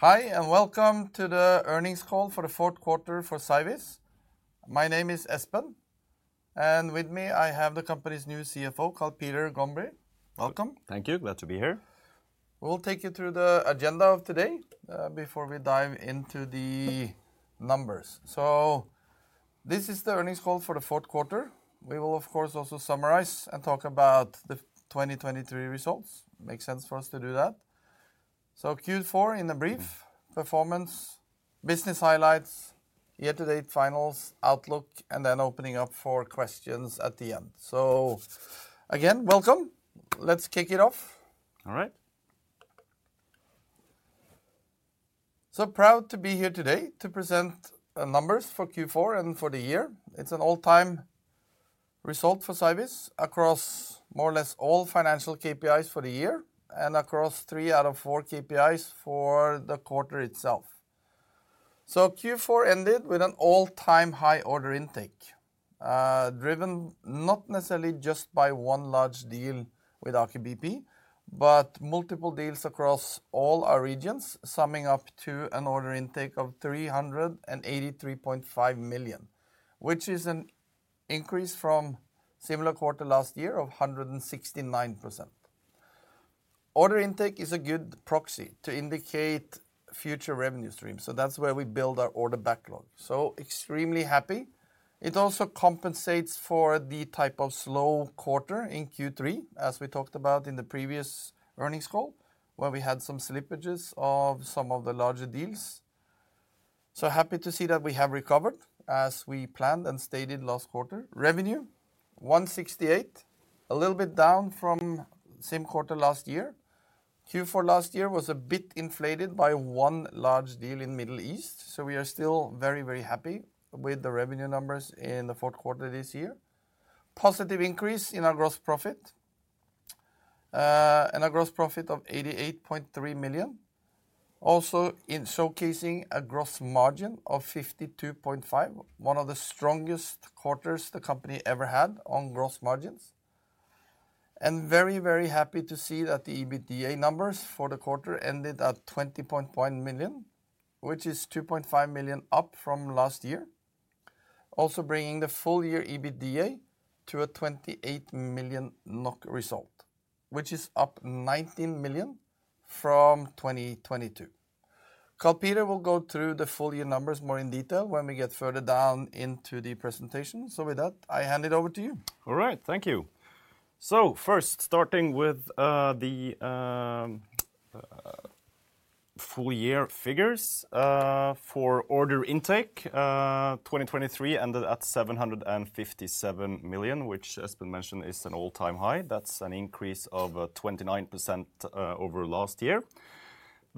Hi, and welcome to the earnings call for the fourth quarter for Cyviz. My name is Espen, and with me, I have the company's new CFO, Karl Peter Gombrii. Welcome. Thank you. Glad to be here. We'll take you through the agenda of today before we dive into the numbers. So this is the earnings call for the fourth quarter. We will, of course, also summarize and talk about the 2023 results. Makes sense for us to do that. So Q4 in a brief: performance, business highlights, year-to-date finals, outlook, and then opening up for questions at the end. So again, welcome. Let's kick it off. All right. So proud to be here today to present numbers for Q4 and for the year. It's an all-time result for Cyviz across more or less all financial KPIs for the year, and across three out of four KPIs for the quarter itself. So Q4 ended with an all-time high order intake, driven not necessarily just by one large deal with Aker BP, but multiple deals across all our regions, summing up to an order intake of 383.5 million, which is an increase from similar quarter last year of 169%. Order intake is a good proxy to indicate future revenue stream, so that's where we build our order backlog. So extremely happy. It also compensates for the type of slow quarter in Q3, as we talked about in the previous earnings call, where we had some slippages of some of the larger deals. So happy to see that we have recovered, as we planned and stated last quarter. Revenue, 168 million, a little bit down from same quarter last year. Q4 last year was a bit inflated by one large deal in Middle East, so we are still very, very happy with the revenue numbers in the fourth quarter this year. Positive increase in our gross profit, and a gross profit of 88.3 million. Also, in showcasing a gross margin of 52.5%, one of the strongest quarters the company ever had on gross margins. Very, very happy to see that the EBITDA numbers for the quarter ended at 20.1 million, which is 2.5 million up from last year. Also, bringing the full year EBITDA to a 28 million NOK result, which is up 19 million from 2022. Karl Peter will go through the full year numbers more in detail when we get further down into the presentation. So with that, I hand it over to you. All right, thank you. So first, starting with the full year figures for order intake, 2023 ended at 757 million, which, as has been mentioned, is an all-time high. That's an increase of 29% over last year.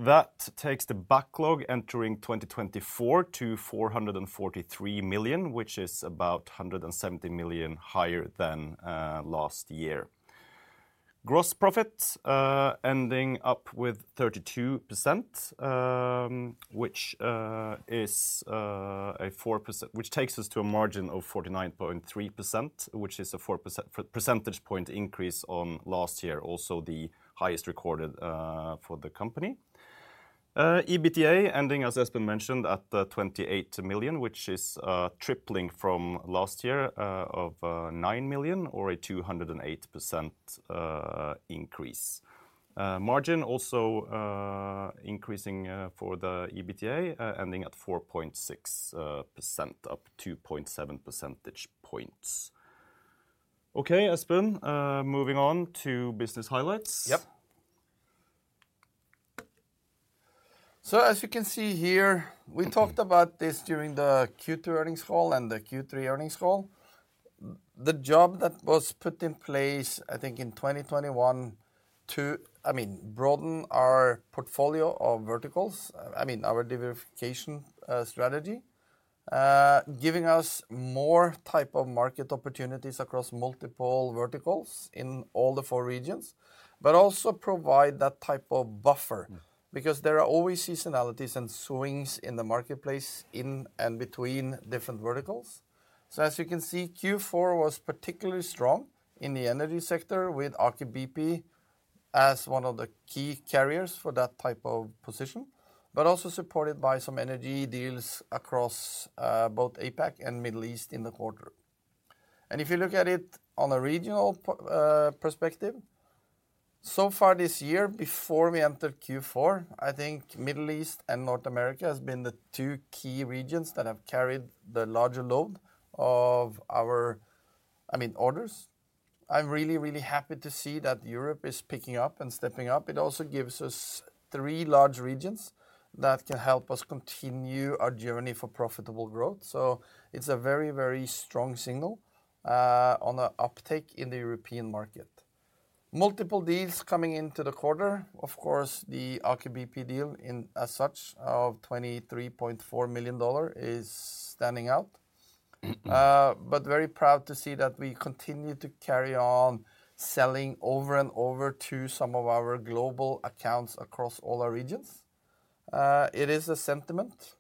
That takes the backlog entering 2024 to 443 million, which is about 170 million higher than last year. Gross profit ending up with 32%, which is a 4 percentage point increase, which takes us to a margin of 49.3%, which is a 4 percentage point increase on last year, also the highest recorded for the company. EBITDA ending, as has been mentioned, at 28 million, which is tripling from last year of 9 million or a 208% increase. Margin also increasing for the EBITDA ending at 4.6%, up 2.7 percentage points. Okay, Espen, moving on to business highlights. Yep. So as you can see here, we talked about this during the Q2 earnings call and the Q3 earnings call. The job that was put in place, I think in 2021 to, I mean, broaden our portfolio of verticals, I mean, our diversification, strategy, giving us more type of market opportunities across multiple verticals in all the four regions, but also provide that type of buffer- Mm-hmm. Because there are always seasonalities and swings in the marketplace, in and between different verticals. So as you can see, Q4 was particularly strong in the energy sector with Aker BP as one of the key carriers for that type of position, but also supported by some energy deals across both APAC and Middle East in the quarter. And if you look at it on a regional perspective, so far this year, before we entered Q4, I think Middle East and North America has been the two key regions that have carried the larger load of our... I mean, orders. I'm really, really happy to see that Europe is picking up and stepping up. It also gives us three large regions that can help us continue our journey for profitable growth. So it's a very, very strong signal on the uptake in the European market. Multiple deals coming into the quarter. Of course, the Aker BP deal in as such, of $23.4 million is standing out. Mm-hmm. But very proud to see that we continue to carry on selling over and over to some of our global accounts across all our regions. It is a sentiment,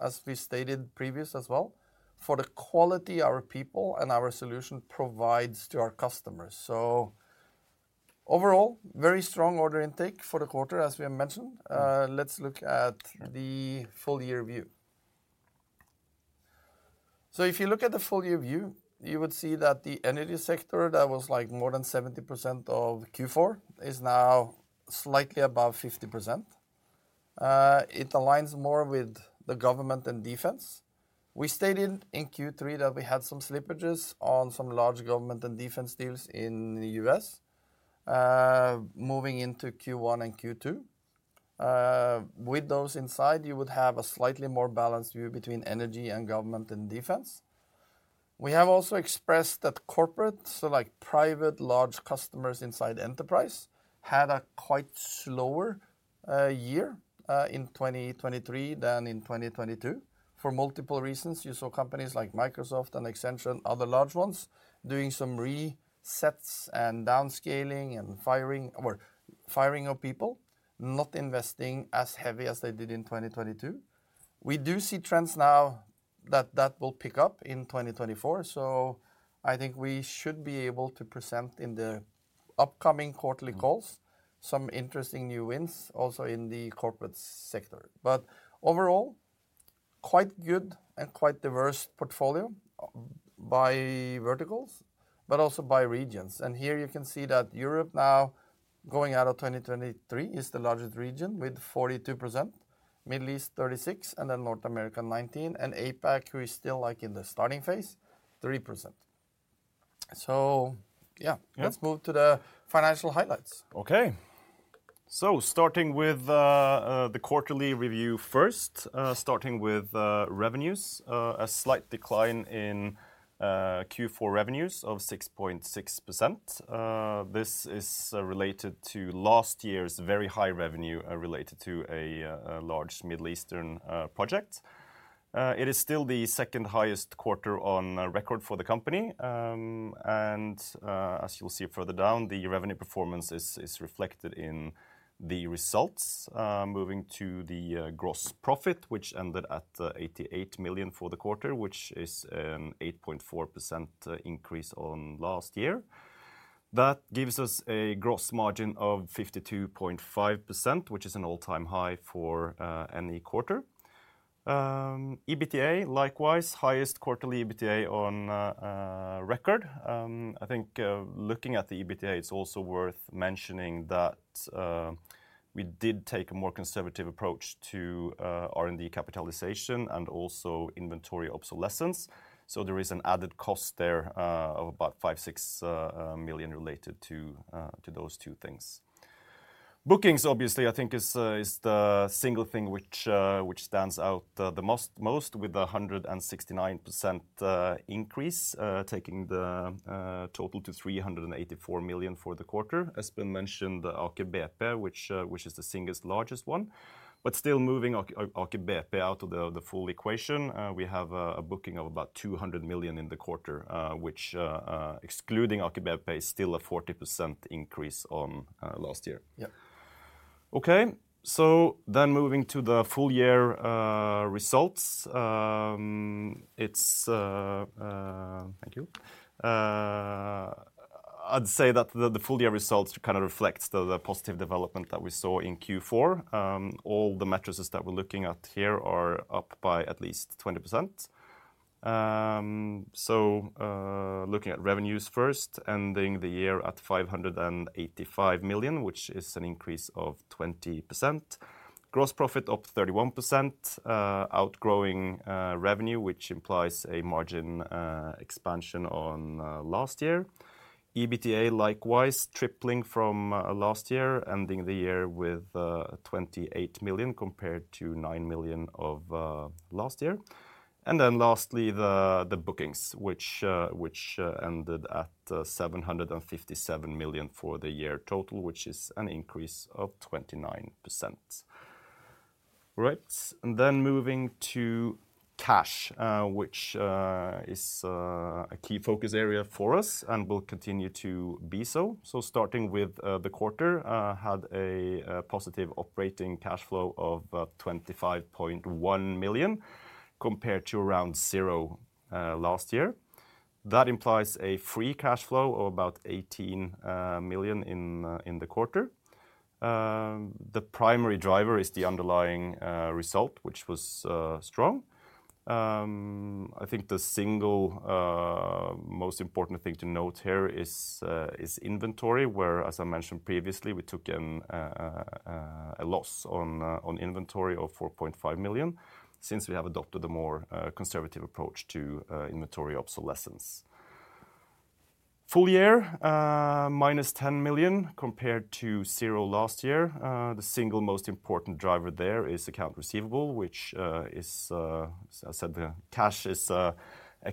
as we stated previous as well, for the quality our people and our solution provides to our customers. Overall, very strong order intake for the quarter, as we have mentioned. Let's look at the full year view. So if you look at the full year view, you would see that the energy sector, that was like more than 70% of Q4, is now slightly above 50%. It aligns more with the government and defense. We stated in Q3 that we had some slippages on some large government and defense deals in the U.S., moving into Q1 and Q2. With those inside, you would have a slightly more balanced view between energy and government, and defense. We have also expressed that corporate, so like private, large customers inside enterprise, had a quite slower year in 2023 than in 2022, for multiple reasons. You saw companies like Microsoft and Accenture, and other large ones, doing some resets and downscaling and firing or firing of people, not investing as heavy as they did in 2022. We do see trends now that that will pick up in 2024. So I think we should be able to present in the upcoming quarterly calls, some interesting new wins also in the corporate sector. But overall, quite good and quite diverse portfolio by verticals, but also by regions. Here you can see that Europe now, going out of 2023, is the largest region with 42%, Middle East 36%, and then North America 19%, and APAC, who is still like in the starting phase, 3%. So yeah- Yeah. Let's move to the financial highlights. Okay. So starting with the quarterly review first, starting with revenues. A slight decline in Q4 revenues of 6.6%. This is related to last year's very high revenue related to a large Middle Eastern project. It is still the second highest quarter on record for the company. And as you'll see further down, the revenue performance is reflected in the results. Moving to the gross profit, which ended at 88 million for the quarter, which is an 8.4% increase on last year. That gives us a gross margin of 52.5%, which is an all-time high for any quarter. EBITDA, likewise, highest quarterly EBITDA on record. I think, looking at the EBITDA, it's also worth mentioning that, we did take a more conservative approach to, R&D capitalization and also inventory obsolescence. So there is an added cost there, of about 5-6 million related to, to those two things. Bookings, obviously, I think is, is the single thing which, which stands out, the most with a 169% increase, taking the, total to 384 million for the quarter. Espen mentioned the Aker BP, which, is the single largest one, but still moving Aker BP out of the, the full equation, we have a, a booking of about 200 million in the quarter, which, excluding Aker BP, is still a 40% increase on, last year. Yeah. Okay, so then moving to the full year results. Thank you. I'd say that the full year results kind of reflects the positive development that we saw in Q4. All the metrics that we're looking at here are up by at least 20%. So, looking at revenues first, ending the year at 585 million, which is an increase of 20%. Gross profit up 31%, outgrowing revenue, which implies a margin expansion on last year. EBITDA, likewise, tripling from last year, ending the year with 28 million compared to 9 million of last year. And then lastly, the bookings, which ended at 757 million for the year total, which is an increase of 29%. Right. Then moving to cash, which is a key focus area for us and will continue to be so. Starting with the quarter, had a positive operating cash flow of about 25.1 million, compared to around 0 last year. That implies a free cash flow of about 18 million in the quarter. The primary driver is the underlying result, which was strong. I think the single most important thing to note here is inventory, where, as I mentioned previously, we took a loss on inventory of 4.5 million, since we have adopted a more conservative approach to inventory obsolescence. Full year -10 million, compared to 0 last year. The single most important driver there is accounts receivable, which is, as I said, the cash is a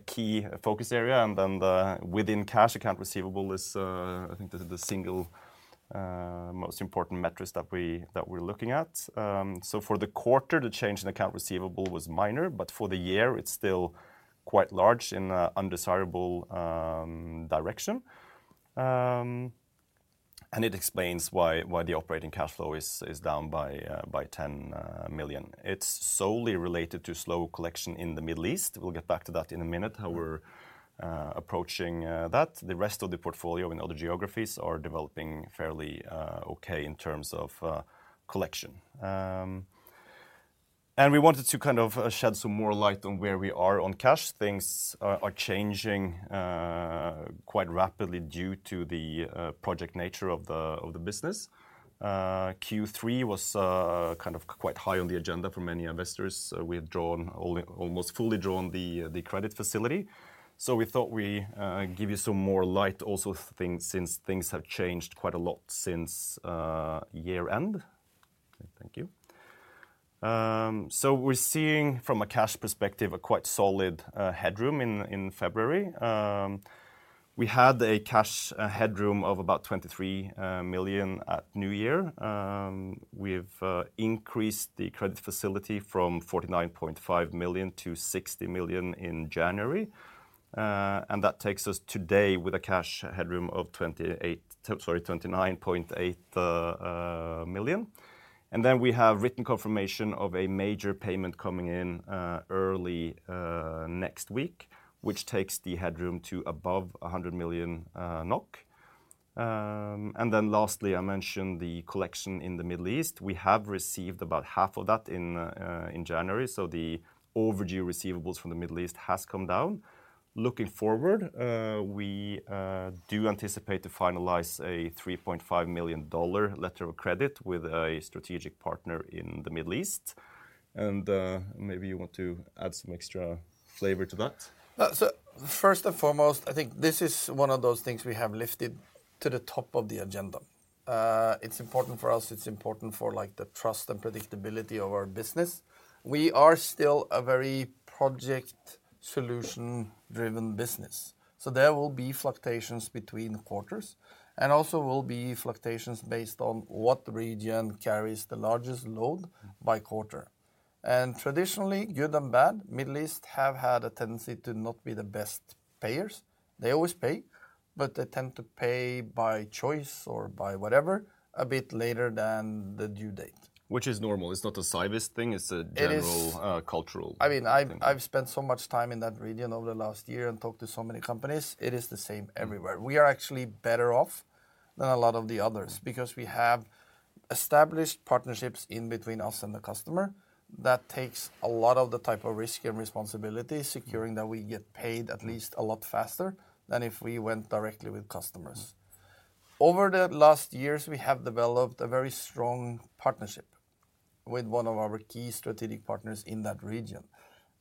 key focus area, and then the—within cash, accounts receivable is, I think the single most important metric that we're looking at. So for the quarter, the change in accounts receivable was minor, but for the year, it's still quite large in an undesirable direction. And it explains why the operating cash flow is down by 10 million. It's solely related to slow collection in the Middle East. We'll get back to that in a minute, how we're approaching that. The rest of the portfolio in other geographies are developing fairly okay in terms of collection. We wanted to kind of shed some more light on where we are on cash. Things are changing quite rapidly due to the project nature of the business. Q3 was kind of quite high on the agenda for many investors. We had drawn almost fully drawn the credit facility, so we thought we give you some more light. Since things have changed quite a lot since year-end. Thank you. So we're seeing from a cash perspective a quite solid headroom in February. We had a cash headroom of about 23 million at New Year. We've increased the credit facility from 49.5 million to 60 million in January. And that takes us today with a cash headroom of 28... Sorry, 29.8 million. And then we have written confirmation of a major payment coming in early next week, which takes the headroom to above 100 million NOK. And then lastly, I mentioned the collection in the Middle East. We have received about half of that in January, so the overdue receivables from the Middle East has come down. Looking forward, we do anticipate to finalize a $3.5 million Letter of credit with a strategic partner in the Middle East. And maybe you want to add some extra flavor to that. First and foremost, I think this is one of those things we have lifted to the top of the agenda. It's important for us, it's important for, like, the trust and predictability of our business. We are still a very project solution-driven business, so there will be fluctuations between quarters, and also will be fluctuations based on what region carries the largest load by quarter. Traditionally, good and bad, Middle East have had a tendency to not be the best payers. They always pay, but they tend to pay by choice or by whatever, a bit later than the due date. Which is normal. It's not a Cyviz thing, it's a- It is-... general, cultural thing. I mean, I've spent so much time in that region over the last year and talked to so many companies. It is the same everywhere. We are actually better off than a lot of the others because we have established partnerships in between us and the customer. That takes a lot of the type of risk and responsibility, securing that we get paid at least a lot faster than if we went directly with customers. Mm. Over the last years, we have developed a very strong partnership with one of our key strategic partners in that region.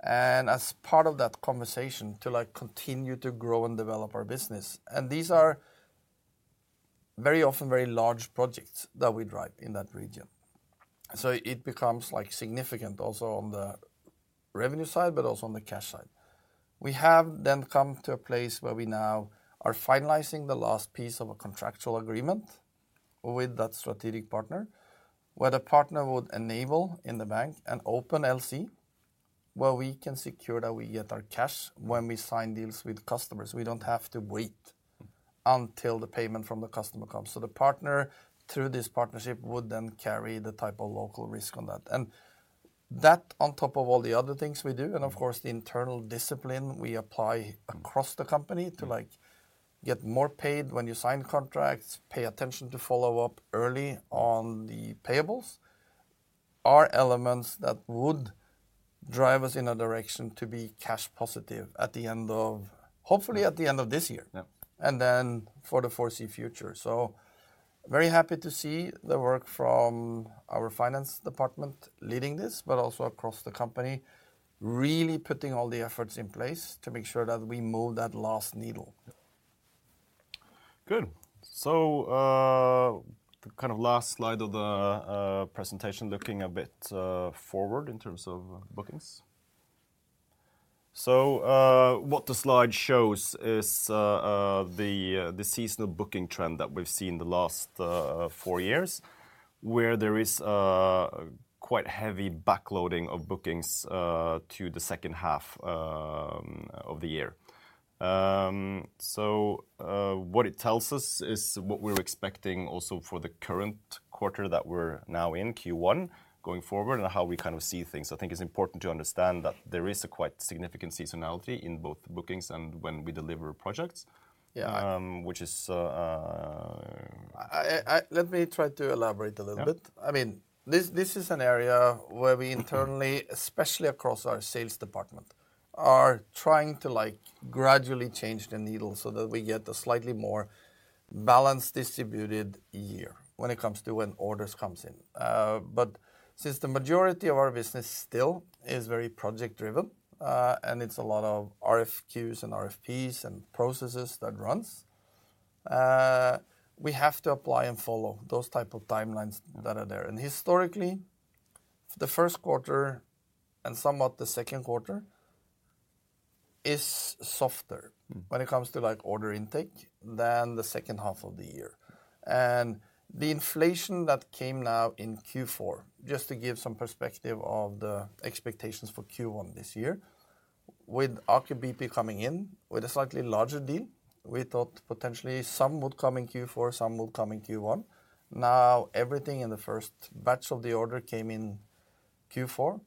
As part of that conversation, to, like, continue to grow and develop our business, and these are very often very large projects that we drive in that region. So it becomes, like, significant also on the revenue side, but also on the cash side. We have then come to a place where we now are finalizing the last piece of a contractual agreement with that strategic partner, where the partner would enable in the bank an open LC, where we can secure that we get our cash when we sign deals with customers. We don't have to wait- Mm... until the payment from the customer comes. So the partner, through this partnership, would then carry the type of local risk on that. And that, on top of all the other things we do, and of course, the internal discipline we apply across- Mm... the company to, like, get more paid when you sign contracts, pay attention to follow up early on the payables, are elements that would drive us in a direction to be cash positive at the end of, hopefully, at the end of this year. Yeah. Then for the foreseeable future. Very happy to see the work from our finance department leading this, but also across the company, really putting all the efforts in place to make sure that we move that last needle. Good. So, kind of last slide of the presentation, looking a bit forward in terms of bookings. So, what the slide shows is the seasonal booking trend that we've seen the last four years, where there is quite heavy backloading of bookings to the second half of the year. So, what it tells us is what we're expecting also for the current quarter that we're now in, Q1, going forward, and how we kind of see things. I think it's important to understand that there is a quite significant seasonality in both the bookings and when we deliver projects- Yeah... which is, Let me try to elaborate a little bit. Yeah. I mean, this is an area where we internally- Mm... especially across our sales department, are trying to, like, gradually change the needle so that we get a slightly more balanced, distributed year when it comes to when orders comes in. But since the majority of our business still is very project-driven, and it's a lot of RFQs and RFPs and processes that runs, we have to apply and follow those type of timelines that are there. And historically, the first quarter, and somewhat the second quarter, is softer- Mm... when it comes to, like, order intake than the second half of the year. And the inflation that came now in Q4, just to give some perspective of the expectations for Q1 this year, with Aker BP coming in with a slightly larger deal, we thought potentially some would come in Q4, some would come in Q1. Now, everything in the first batch of the order came in Q4.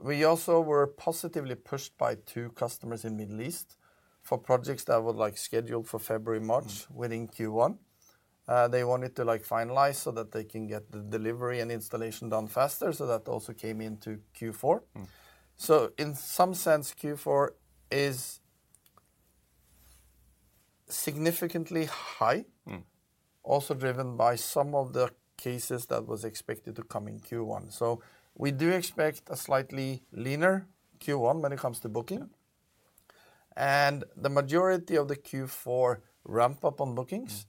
We also were positively pushed by two customers in Middle East for projects that were, like, scheduled for February, March- Mm... within Q1.... they wanted to, like, finalize so that they can get the delivery and installation done faster, so that also came into Q4. Mm. In some sense, Q4 is significantly high- Mm. Also driven by some of the cases that was expected to come in Q1. So we do expect a slightly leaner Q1 when it comes to booking. Yeah. The majority of the Q4 ramp-up on bookings- Mm...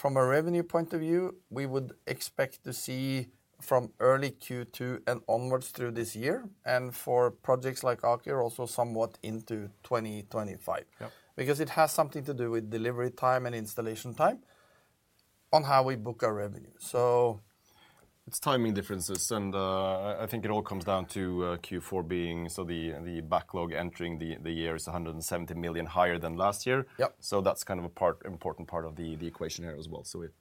from a revenue point of view, we would expect to see from early Q2 and onwards through this year, and for projects like Aker, also somewhat into 2025. Yeah. Because it has something to do with delivery time and installation time on how we book our revenue, so. It's timing differences, and I think it all comes down to Q4 being so, the backlog entering the year is 170 million higher than last year. Yep. So that's kind of an important part of the equation here as well. So it,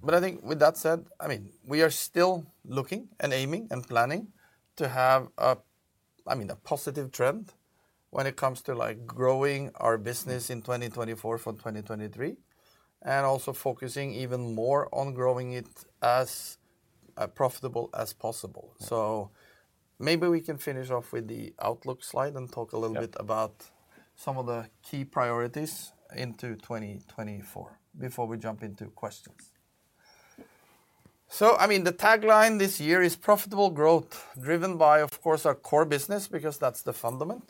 But I think with that said, I mean, we are still looking, and aiming, and planning to have a, I mean, a positive trend when it comes to, like, growing our business in 2024 from 2023, and also focusing even more on growing it as profitable as possible. Mm. Maybe we can finish off with the outlook slide and talk a little bit- Yeah... about some of the key priorities into 2024 before we jump into questions. So, I mean, the tagline this year is profitable growth, driven by, of course, our core business, because that's the foundation.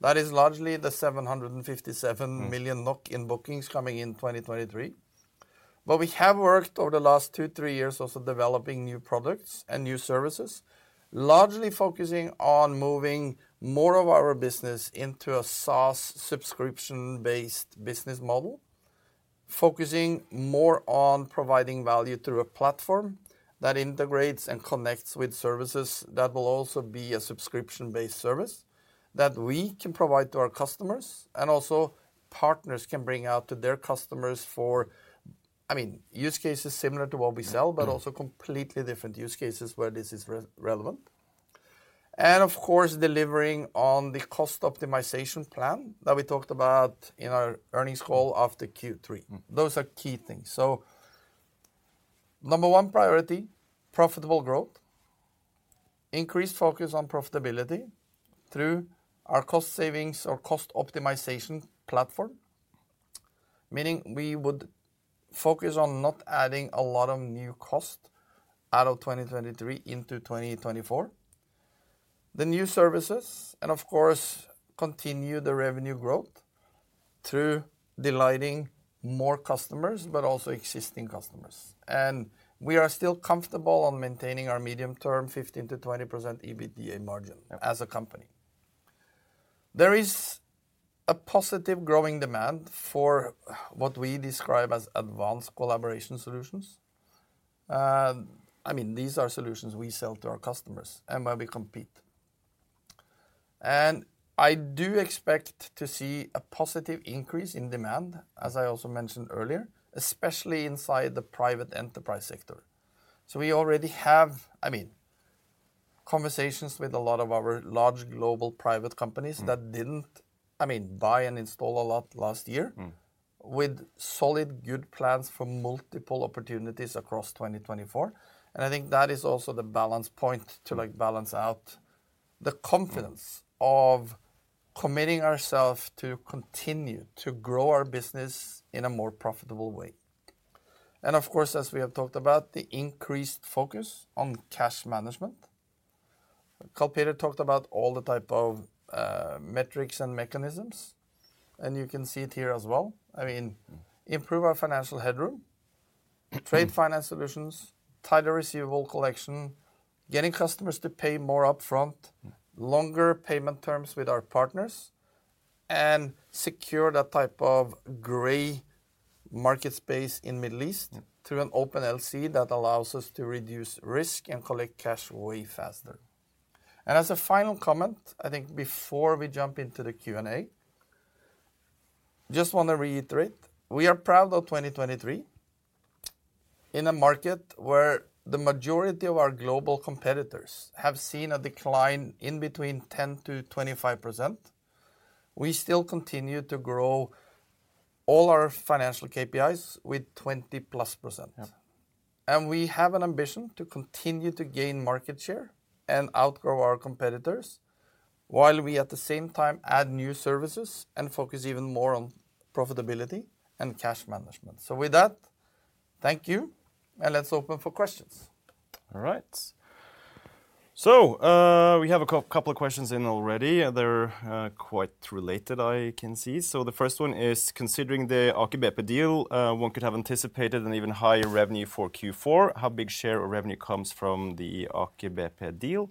That is largely the 757- Mm... million NOK in bookings coming in 2023. But we have worked over the last 2-3 years, also developing new products and new services, largely focusing on moving more of our business into a SaaS subscription-based business model. Focusing more on providing value through a platform that integrates and connects with services that will also be a subscription-based service, that we can provide to our customers, and also partners can bring out to their customers for, I mean, use cases similar to what we sell- Mm... but also completely different use cases where this is relevant. And of course, delivering on the cost optimization plan that we talked about in our earnings call after Q3. Mm. Those are key things. So number one priority, profitable growth. Increased focus on profitability through our cost savings or cost optimization platform, meaning we would focus on not adding a lot of new cost out of 2023 into 2024. The new services, and of course, continue the revenue growth through delighting more customers, but also existing customers. And we are still comfortable on maintaining our medium-term 15%-20% EBITDA margin- Yeah... as a company. There is a positive growing demand for what we describe as advanced collaboration solutions. I mean, these are solutions we sell to our customers and where we compete. I do expect to see a positive increase in demand, as I also mentioned earlier, especially inside the private enterprise sector. We already have, I mean, conversations with a lot of our large global private companies- Mm... that didn't, I mean, buy and install a lot last year- Mm... with solid, good plans for multiple opportunities across 2024. I think that is also the balance point to, like, balance out the confidence- Mm... of committing ourselves to continue to grow our business in a more profitable way. And of course, as we have talked about, the increased focus on cash management. Karl Peter talked about all the type of metrics and mechanisms, and you can see it here as well. I mean- Mm... improve our financial headroom, trade finance solutions, tighter receivable collection, getting customers to pay more upfront- Mm... longer payment terms with our partners, and secure that type of gray market space in Middle East- Mm... through an open LC that allows us to reduce risk and collect cash way faster. And as a final comment, I think before we jump into the Q&A, just want to reiterate, we are proud of 2023. In a market where the majority of our global competitors have seen a decline in between 10%-25%, we still continue to grow all our financial KPIs with 20%+. Yeah. We have an ambition to continue to gain market share and outgrow our competitors, while we, at the same time, add new services and focus even more on profitability and cash management. With that, thank you, and let's open for questions. All right. So, we have a couple of questions in already, and they're quite related, I can see. So the first one is: considering the Aker BP deal, one could have anticipated an even higher revenue for Q4. How big share or revenue comes from the Aker BP deal?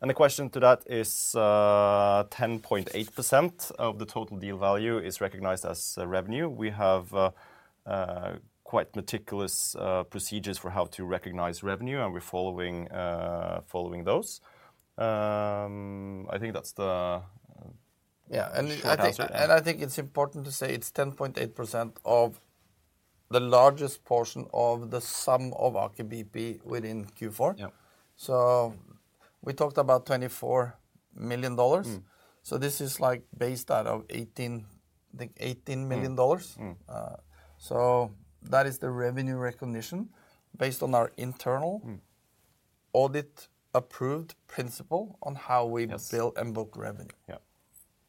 And the question to that is, 10.8% of the total deal value is recognized as revenue. We have quite meticulous procedures for how to recognize revenue, and we're following those. I think that's the, Yeah, and I think- Short answer... and I think it's important to say it's 10.8% of the largest portion of the sum of Aker BP within Q4. Yeah. We talked about $24 million. Mm. This is, like, based out of $18 million, I think. Mm, mm. That is the revenue recognition based on our internal- Mm. audit approved principle on how we Yes... build and book revenue. Yeah.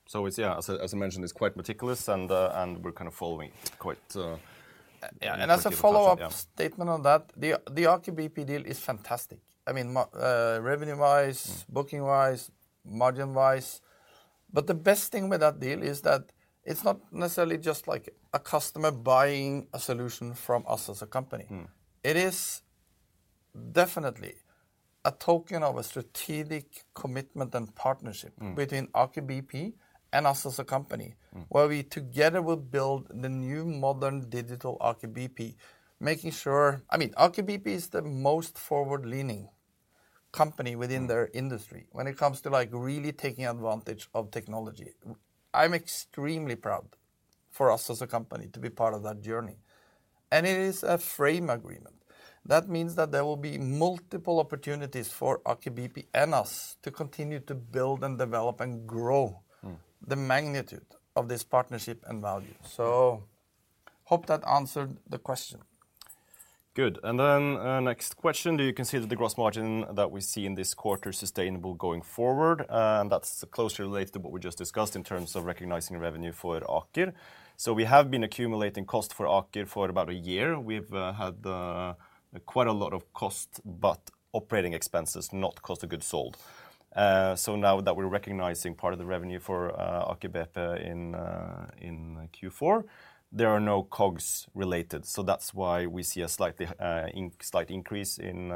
So it's, yeah, as I mentioned, it's quite meticulous and, and we're kind of following quite, Yeah, and as a follow-up- Yeah... statement on that, the Aker BP deal is fantastic. I mean, revenue-wise- Mm... booking-wise, margin-wise. But the best thing with that deal is that it's not necessarily just like a customer buying a solution from us as a company. Mm. It is definitely a token of a strategic commitment and partnership- Mm... between Aker BP and us as a company. Mm. Where we together will build the new modern digital Aker BP, making sure... I mean, Aker BP is the most forward-leaning company within- Mm... their industry when it comes to, like, really taking advantage of technology. I'm extremely proud for us as a company to be part of that journey, and it is a frame agreement. That means that there will be multiple opportunities for Aker BP and us to continue to build and develop and grow- Mm... the magnitude of this partnership and value. So hope that answered the question. Good. And then, next question: "Do you consider the gross margin that we see in this quarter sustainable going forward?" And that's closely related to what we just discussed in terms of recognizing revenue for Aker BP. So we have been accumulating cost for Aker BP for about a year. We've had quite a lot of cost, but operating expenses, not cost of goods sold. So now that we're recognizing part of the revenue for Aker BP in Q4, there are no COGS related. So that's why we see a slight increase in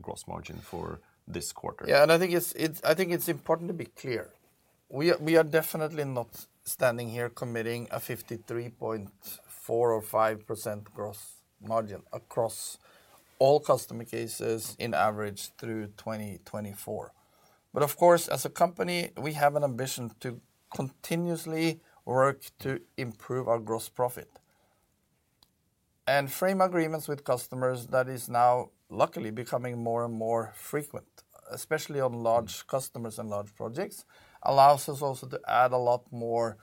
gross margin for this quarter. Yeah, and I think it's important to be clear. We are definitely not standing here committing a 53.4% or 53.5% gross margin across all customer cases in average through 2024. But of course, as a company, we have an ambition to continuously work to improve our gross profit. And frame agreements with customers, that is now luckily becoming more and more frequent, especially on large- Mm... customers and large projects, allows us also to add a lot more,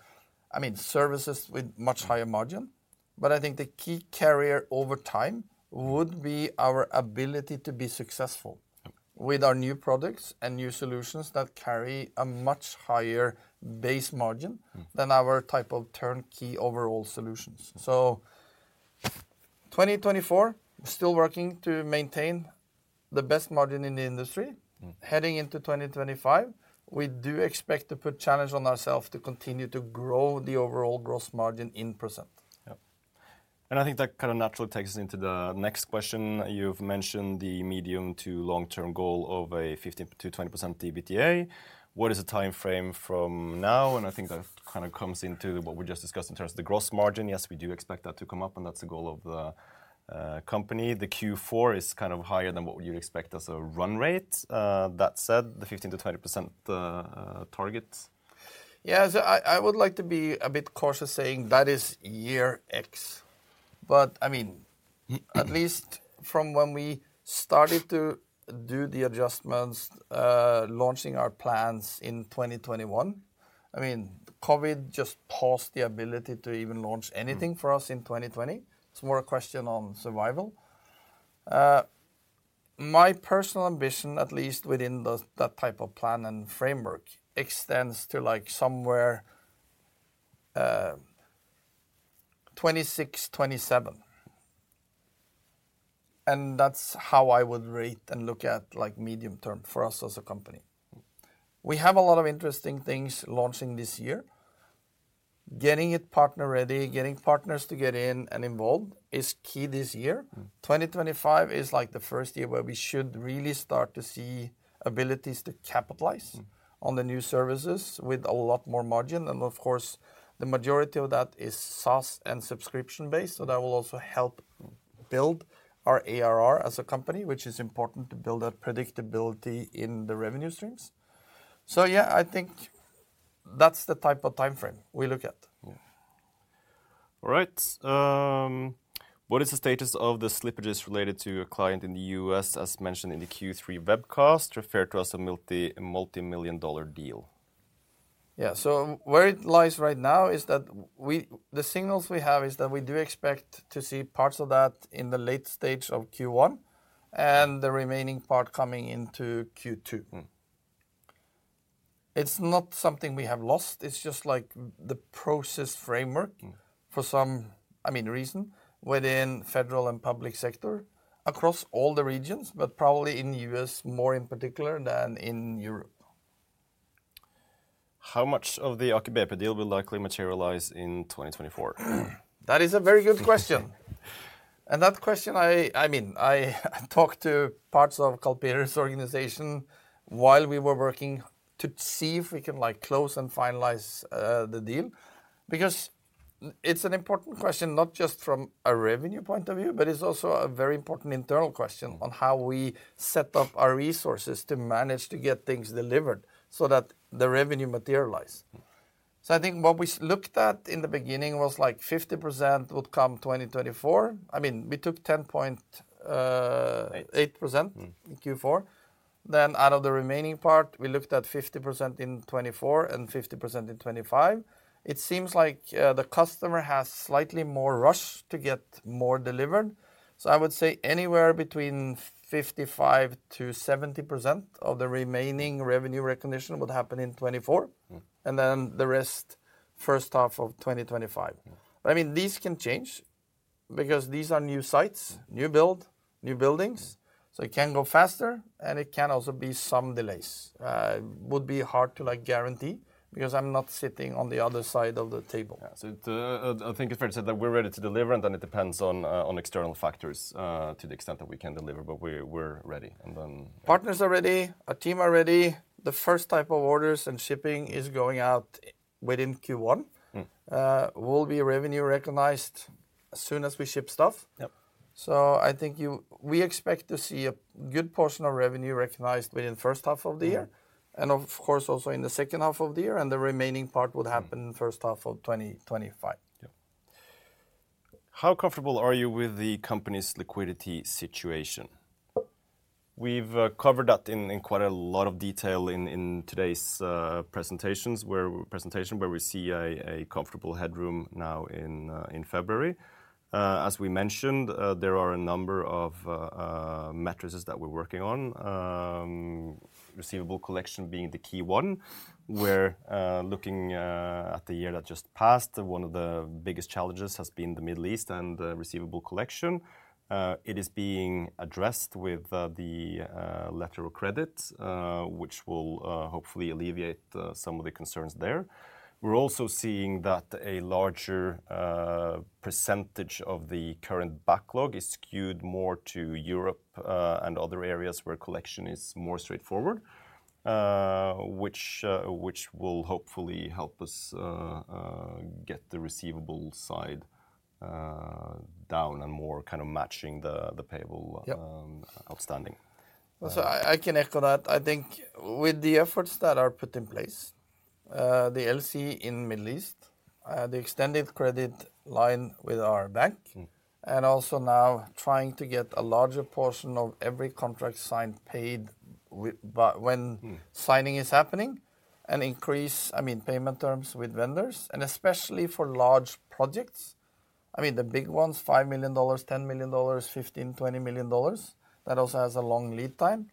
I mean, services with much higher- Mm... margin. But I think the key carryover over time would be our ability to be successful- Yep... with our new products and new solutions that carry a much higher base margin- Mm... than our type of turnkey overall solutions. Mm. 2024, we're still working to maintain the best margin in the industry. Mm. Heading into 2025, we do expect to put challenge on ourselves to continue to grow the overall gross margin %. Yep. And I think that kind of naturally takes us into the next question. You've mentioned the medium to long-term goal of a 15%-20% EBITDA. What is the timeframe from now? And I think that kind of comes into what we just discussed in terms of the gross margin. Yes, we do expect that to come up, and that's the goal of the company. The Q4 is kind of higher than what you'd expect as a run rate. That said, the 15%-20% target. Yeah, so I, I would like to be a bit cautious saying that is year X. But I mean, at least from when we started to do the adjustments, launching our plans in 2021, I mean, COVID just paused the ability to even launch anything- Mm... for us in 2020. It's more a question on survival. My personal ambition, at least within those, that type of plan and framework, extends to, like, somewhere, 2026, 2027. And that's how I would rate and look at, like, medium term for us as a company. Mm. We have a lot of interesting things launching this year. Getting it partner-ready, getting partners to get in and involved is key this year. Mm. 2025 is, like, the first year where we should really start to see abilities to capitalize- Mm... on the new services with a lot more margin. And of course, the majority of that is SaaS and subscription-based, so that will also help build our ARR as a company, which is important to build that predictability in the revenue streams. So yeah, I think that's the type of timeframe we look at. Yeah. All right, "What is the status of the slippages related to a client in the U.S., as mentioned in the Q3 webcast, referred to as a multi-million-dollar deal? Yeah, so where it lies right now is that we... The signals we have is that we do expect to see parts of that in the late stage of Q1, and the remaining part coming into Q2. Mm. It's not something we have lost. It's just, like, the process framework- Mm... for some, I mean, reason within the federal and public sector, across all the regions, but probably in the U.S. more in particular than in Europe. How much of the Aker BP deal will likely materialize in 2024? That is a very good question. And that question, I mean, I talked to parts of Karl Peter's organization while we were working to see if we can, like, close and finalize, the deal. Because it's an important question, not just from a revenue point of view, but it's also a very important internal question. Mm... on how we set up our resources to manage to get things delivered so that the revenue materialize. So I think what we looked at in the beginning was, like, 50% would come 2024. I mean, we took 10.8% in Q4. Then out of the remaining part, we looked at 50% in 2024 and 50% in 2025. It seems like the customer has slightly more rush to get more delivered. So I would say anywhere between 55%-70% of the remaining revenue recognition would happen in 2024. And then the rest, first half of 2025. I mean, these can change because these are new sites new build, new buildings. So it can go faster, and it can also be some delays. Would be hard to, like, guarantee because I'm not sitting on the other side of the table. Yeah. So, I think it's fair to say that we're ready to deliver, and then it depends on external factors to the extent that we can deliver, but we're, we're ready, and then- Partners are ready. Our team are ready. The first type of orders and shipping is going out within Q1. Mm. Will be revenue recognized as soon as we ship stuff. Yep. So I think you-- we expect to see a good portion of revenue recognized within the first half of the year. Mm. And, of course, also in the second half of the year, and the remaining part would happen- Mm in the first half of 2025. Yeah. How comfortable are you with the company's liquidity situation?" We've covered that in quite a lot of detail in today's presentation, where we see a comfortable headroom now in February. As we mentioned, there are a number of metrics that we're working on, receivable collection being the key one, where, looking at the year that just passed, one of the biggest challenges has been the Middle East and the receivable collection. It is being addressed with the Letter of credit, which will hopefully alleviate some of the concerns there. We're also seeing that a larger percentage of the current backlog is skewed more to Europe and other areas where collection is more straightforward, which will hopefully help us get the receivable side down and more kind of matching the payable- Yep... outstanding. So I can echo that. I think with the efforts that are put in place, the LC in Middle East, the extended credit line with our bank- and also now trying to get a larger portion of every contract signed, paid with, by when signing is happening, and increase, I mean, payment terms with vendors, and especially for large projects. I mean, the big ones, $5 million, $10 million, $15 million, $20 million, that also has a long lead time.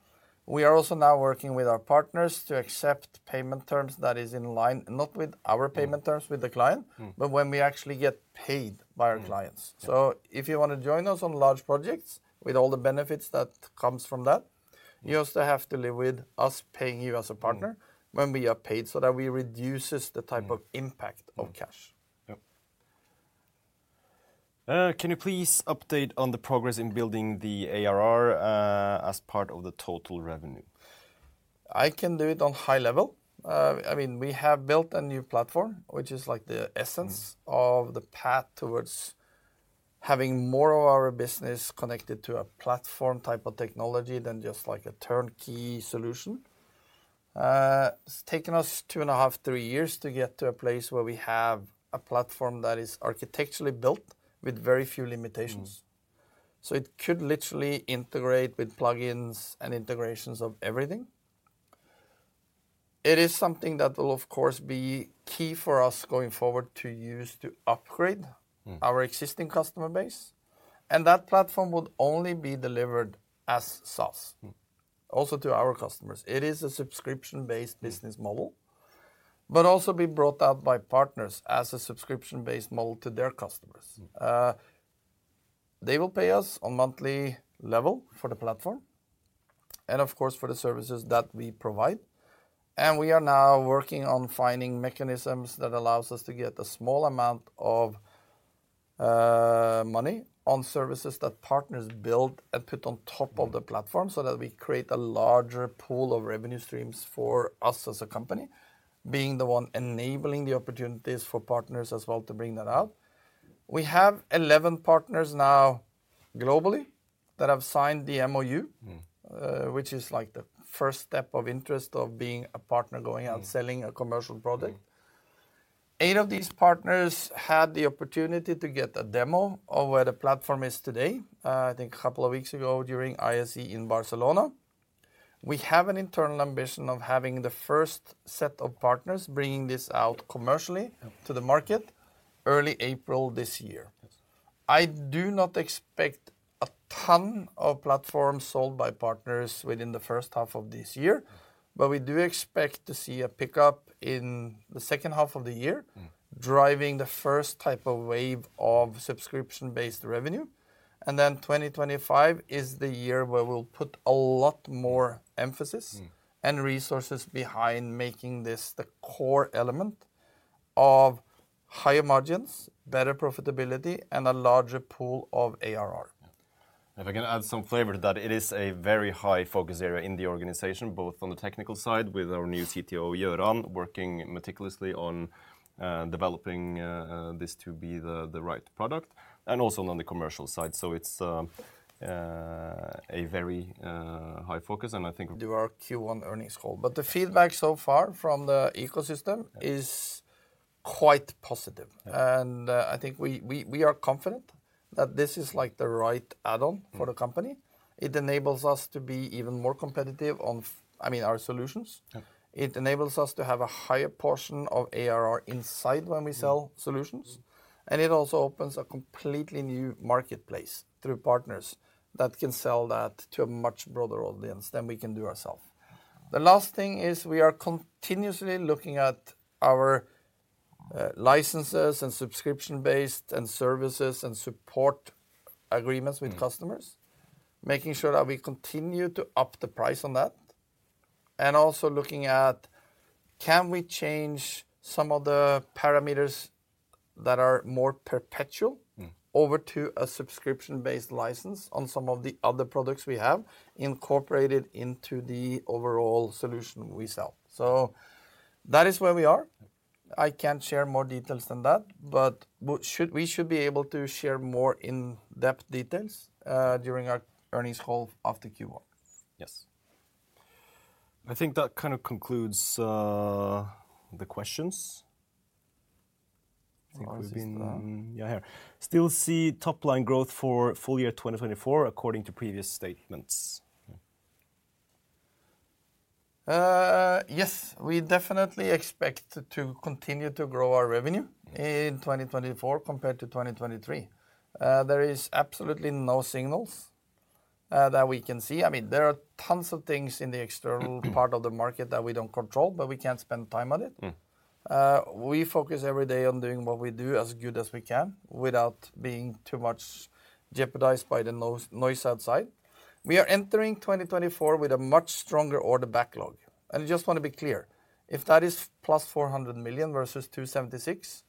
We are also now working with our partners to accept payment terms that is in line, not with our payment terms with the client, but when we actually get paid by our clients. Yep. So if you want to join us on large projects, with all the benefits that comes from that, you also have to live with us paying you as a partner when we are paid, so that we reduces the type of impact of cash. Yep. "Can you please update on the progress in building the ARR as part of the total revenue?" I can do it on high level. I mean, we have built a new platform, which is like the essence. of the path towards having more of our business connected to a platform type of technology than just like a turnkey solution. It's taken us 2.5-3 years to get to a place where we have a platform that is architecturally built with very few limitations. So it could literally integrate with plugins and integrations of everything. It is something that will, of course, be key for us going forward to use to upgrade our existing customer base, and that platform would only be delivered as SaaS also to our customers. It is a subscription-based business model but also be brought out by partners as a subscription-based model to their customers. They will pay us on monthly level for the platform and, of course, for the services that we provide. We are now working on finding mechanisms that allows us to get a small amount of money on services that partners build and put on top of the platform, so that we create a larger pool of revenue streams for us as a company, being the one enabling the opportunities for partners as well to bring that out. We have 11 partners now globally that have signed the MOU, which is like the first step of interest of being a partner, going out selling a commercial product. 8 of these partners had the opportunity to get a demo of where the platform is today, I think a couple of weeks ago during ISE in Barcelona. We have an internal ambition of having the first set of partners bringing this out commercially to the market early April this year. Yes. I do not expect a ton of platforms sold by partners within the first half of this year, but we do expect to see a pickup in the second half of the year, driving the first type of wave of subscription-based revenue. And then 2025 is the year where we'll put a lot more emphasis and resources behind making this the core element of higher margins, better profitability, and a larger pool of ARR. Yep. If I can add some flavor to that, it is a very high focus area in the organization, both on the technical side with our new CTO, Gøran, working meticulously on developing this to be the right product, and also on the commercial side. So it's a very high focus, and I think. Do our Q1 earnings call. But the feedback so far from the ecosystem is quite positive. Yeah. I think we are confident that this is, like, the right add-on for the company. Mm. It enables us to be even more competitive on, I mean, our solutions. Yeah. It enables us to have a higher portion of ARR inside when we sell solutions. Mm. And it also opens a completely new marketplace through partners that can sell that to a much broader audience than we can do ourselves. The last thing is we are continuously looking at our licenses, and subscription-based, and services, and support agreements- Mm... with customers, making sure that we continue to up the price on that. And also looking at, can we change some of the parameters that are more perpetual- Mm... over to a subscription-based license on some of the other products we have, incorporated into the overall solution we sell? So that is where we are. Yeah. I can't share more details than that, but we should be able to share more in-depth details during our earnings call after Q1. Yes. I think that kind of concludes the questions. I think it's, Still see top-line growth for full year 2024, according to previous statements? Yes, we definitely expect to continue to grow our revenue- Mm... in 2024 compared to 2023. There is absolutely no signals that we can see. I mean, there are tons of things in the external- Mm... part of the market that we don't control, but we can't spend time on it. Mm. We focus every day on doing what we do as good as we can, without being too much jeopardized by the noise outside. We are entering 2024 with a much stronger order backlog. I just want to be clear, if that is plus 400 million versus 276 million,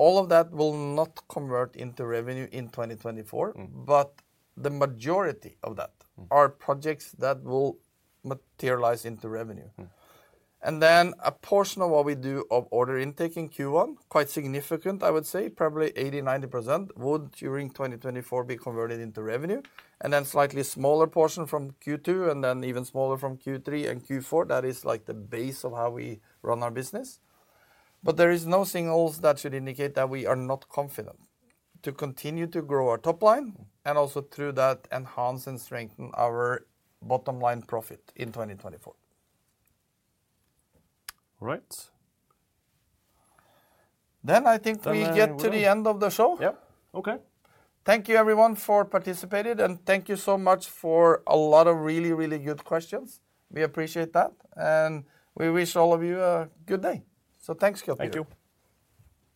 all of that will not convert into revenue in 2024. Mm. But the majority of that- Mm... are projects that will materialize into revenue. Mm. And then a portion of what we do of order intake in Q1, quite significant, I would say, probably 80%-90%, would, during 2024, be converted into revenue, and then slightly smaller portion from Q2, and then even smaller from Q3 and Q4. That is, like, the base of how we run our business. But there is no signals that should indicate that we are not confident to continue to grow our top line, and also through that, enhance and strengthen our bottom-line profit in 2024. All right. Then I think we get- Then we will-... to the end of the show. Yep. Okay. Thank you everyone for participating, and thank you so much for a lot of really, really good questions. We appreciate that, and we wish all of you a good day. Thanks, Karl, too. Thank you.